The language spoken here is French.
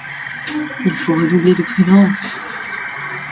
Il faut redoubler de prudence...